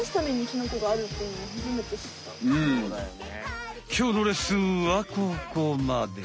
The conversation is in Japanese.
きょうのレッスンはここまで。